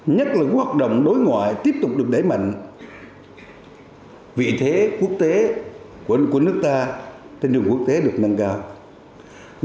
nhất lực hoạt động đối ngoại tiếp tục được đẩy mạnh vị thế quốc tế của nước ta tình hình quốc tế được tăng cường